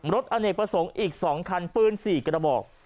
อเนกประสงค์อีก๒คันปืน๔กระบอก